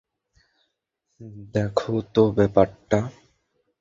দেখো তো ব্যাপারটা।